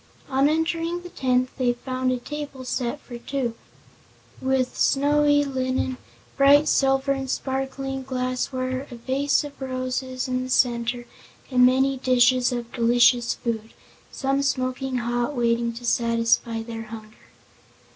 On entering the tent they found a table set for two, with snowy linen, bright silver and sparkling glassware, a vase of roses in the center and many dishes of delicious food, some smoking hot, waiting to satisfy their hunger.